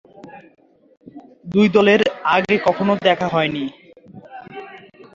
দুই দলের আগে কখনো দেখা হয়নি।